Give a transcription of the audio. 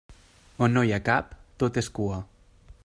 On no hi ha cap, tot és cua.